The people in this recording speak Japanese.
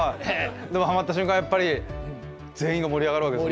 でもはまった瞬間はやっぱり全員が盛り上がるわけですよね。